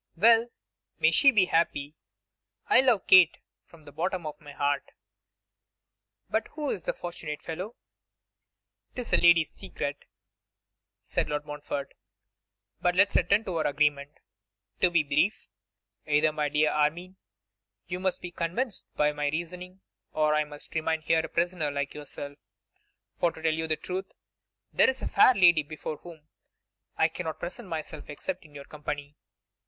'Well! may she be happy! I love Kate from the bottom of my heart. But who is the fortunate fellow?' ''Tis a lady's secret,' said Lord Montfort. 'But let us return to our argument. To be brief: either, my dear Armine, you must be convinced by my reasoning, or I must remain here a prisoner like yourself; for, to tell you the truth, there is a fair lady before whom I cannot present myself except in your company.